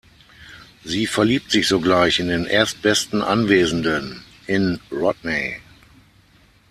Sie verliebt sich sogleich in den erstbesten Anwesenden, in Rodney.